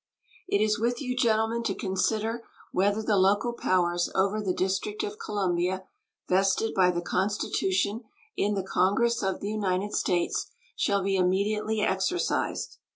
It is with you, gentlemen, to consider whether the local powers over the District of Columbia vested by the Constitution in the Congress of the United States shall be immediately exercised.